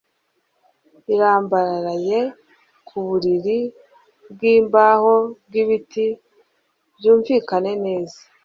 irambaraye ku buriri bwimbaho bwibiti, byumvikane neza